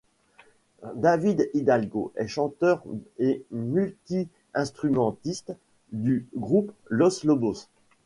David Hidalgo est chanteur et multi-instrumentiste du groupe Los Lobos.